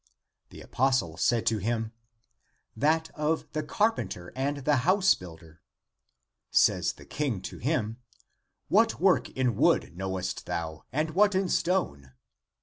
" The apostle said to him, " That of the carpenter and the house builder." Says the King to him, " What work in wood knowest thou, and what in stone."